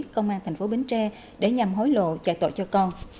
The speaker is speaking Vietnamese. công an tp bến tre để nhằm hối lộ trại tội cho con